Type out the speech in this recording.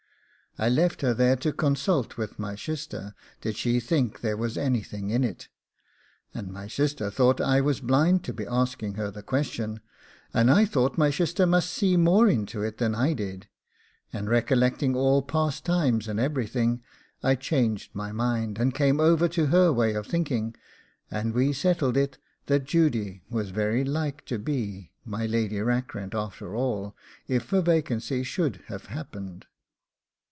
I left her there to consult with my shister, did she think there was anything in it, and my shister thought I was blind to be asking her the question, and I thought my shister must see more into it than I did, and recollecting all past times and everything, I changed my mind, and came over to her way of thinking, and we settled it that Judy was very like to be my Lady Rackrent after all, if a vacancy should have happened.